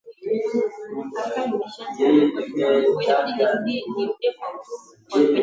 Katika miaka ya elfu moja mia tisa na hamsini